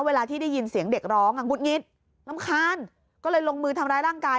เวลาที่ได้ยินเสียงเด็กร้องอ่ะงุดงิดรำคาญก็เลยลงมือทำร้ายร่างกาย